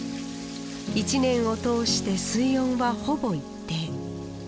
一年を通して水温はほぼ一定。